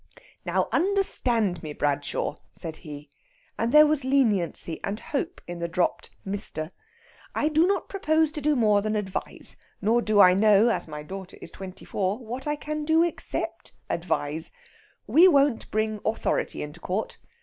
"Now, understand me, Bradshaw," said he and there was leniency and hope in the dropped "Mr." "I do not propose to do more than advise; nor do I know, as my daughter is twenty four, what I can do except advise. We won't bring authority into court....